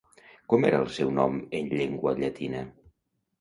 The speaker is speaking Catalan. Com era el seu nom en llengua llatina?